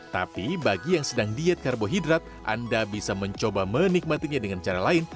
tapi bagi yang sedang diet karbohidrat anda bisa mencoba menikmatinya dengan cara lain